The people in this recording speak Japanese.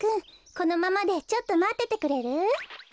このままでちょっとまっててくれる？